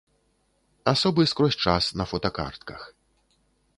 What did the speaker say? Асобы скрозь час на фотакартках.